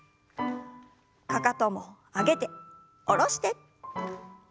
かかとも上げて下ろして。